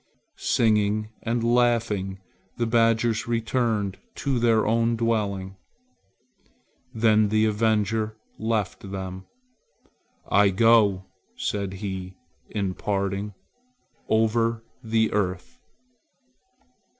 Singing and laughing, the badgers returned to their own dwelling. Then the avenger left them. "I go," said he in parting, "over the earth."